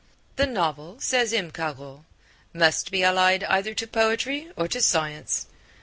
The novel, says M. Caro, must be allied either to poetry or to science.